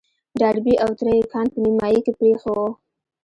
ډاربي او تره يې کان په نيمايي کې پرېيښی و.